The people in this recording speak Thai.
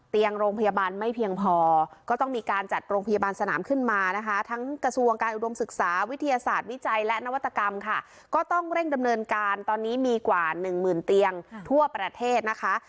โรงพยาบาลไม่เพียงพอก็ต้องมีการจัดโรงพยาบาลสนามขึ้นมานะคะทั้งกระทรวงการอุดมศึกษาวิทยาศาสตร์วิจัยและนวัตกรรมค่ะก็ต้องเร่งดำเนินการตอนนี้มีกว่าหนึ่งหมื่นเตียงทั่วประเทศนะคะ